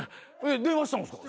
電話したんですか？